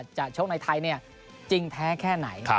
จะชกในไทยเนี่ยจริงแท้แค่ไหน